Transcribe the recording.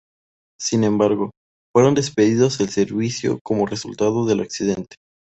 Sin embargo, fueron despedidos del servicio como resultado del accidente.